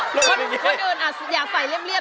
คนอื่นอาจอยากใส่เรียบ